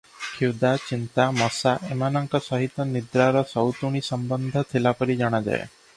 କ୍ଷୁଧା, ଚିନ୍ତା, ମଶା ଏମାନଙ୍କ ସହିତ ନିଦ୍ରାର ସଉତୁଣୀ ସମ୍ବନ୍ଧ ଥିଲାପରି ଜଣାଯାଏ ।